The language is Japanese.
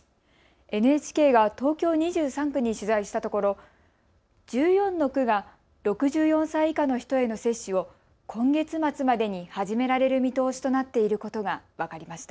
ＮＨＫが東京２３区に取材したところ１４の区が６４歳以下の人への接種を今月末までに始められる見通しとなっていることが分かりました。